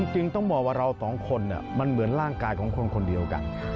ต้องบอกว่าเราสองคนมันเหมือนร่างกายของคนคนเดียวกัน